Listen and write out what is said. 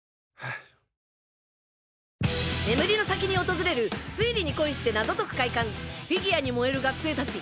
眠りの先に訪れる推理に恋して謎解く快感フィギュアに燃える学生たち